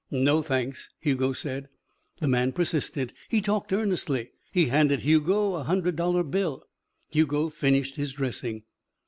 "No, thanks," Hugo said. The man persisted. He talked earnestly. He handed Hugo a hundred dollar bill. Hugo finished his dressing.